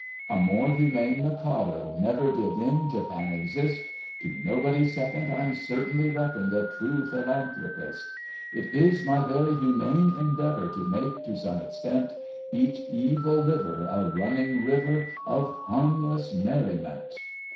A more humane Mikado never Did in Japan exist, To nobody second, I'm certainly reckoned A true philanthropist. It is my very humane endeavour To make, to some extent, Each evil liver A running river Of harmless merriment.